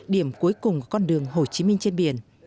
điểm cuối cùng con đường hồ chí minh trên biển